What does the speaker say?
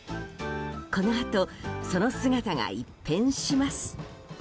このあと、その姿が一変します。